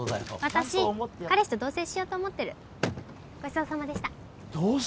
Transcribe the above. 私彼氏と同棲しようと思ってるごちそうさまでした同棲？